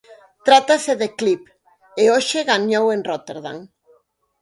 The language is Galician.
Trátase de Clip, e hoxe gañou en Róterdam.